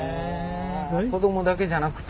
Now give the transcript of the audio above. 子どもだけじゃなくて。